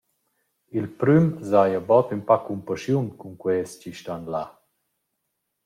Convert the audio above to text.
Il prüm s’haja bod ün pa cumpaschiun cun quels chi stan là.